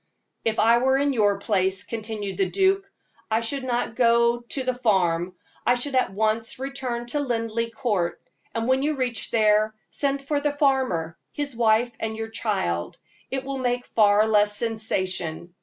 "If I were in your place," continued the duke, "I should not go to the farm; I should at once return to Linleigh Court; and when you reach there, send for the farmer, his wife, and your child it will make far less sensation.